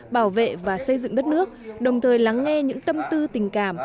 bảo vệ và xây dựng đất nước đồng thời lắng nghe những tâm tư tình cảm